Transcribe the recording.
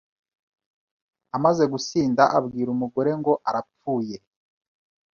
Amaze gusinda abwira umugore ngo arapfuye